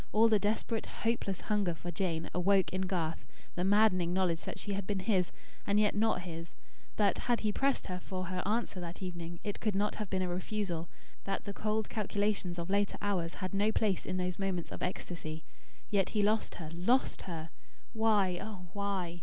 All the desperate, hopeless, hunger for Jane, awoke in Garth; the maddening knowledge that she had been his, and yet not his; that, had he pressed for her answer that evening, it could not have been a refusal; that the cold calculations of later hours, had no place in those moments of ecstasy. Yet he lost her lost her! Why? Ah, why?